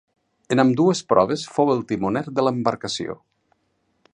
En ambdues proves fou el timoner de l'embarcació.